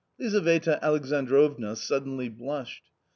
V^ Lizaveta Alexandrovna suddenly blushed.